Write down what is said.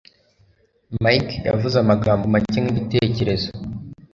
Mike yavuze amagambo make nkigitekerezo.